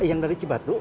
yang dari cibatu